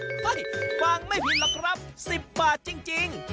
ฟังไม่ผิดหรอกครับ๑๐บาทจริง